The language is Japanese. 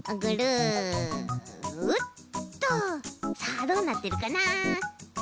さあどうなってるかな？